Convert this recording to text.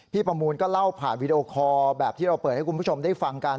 ประมูลก็เล่าผ่านวีดีโอคอร์แบบที่เราเปิดให้คุณผู้ชมได้ฟังกัน